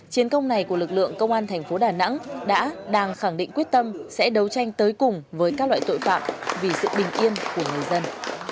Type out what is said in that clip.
chiến công này của lực lượng công an thành phố đà nẵng đã đang khẳng định quyết tâm sẽ đấu tranh tới cùng với các loại tội phạm vì sự bình yên của người dân